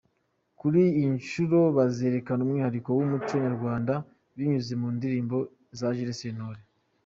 Kuri iyi nshuro bazerekana umwihariko w’umuco nyarwanda binyuze mu ndirimbo za Jules Sentore.